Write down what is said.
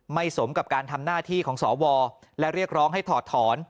สมกับการทำหน้าที่ของสวและเรียกร้องให้ถอดถอน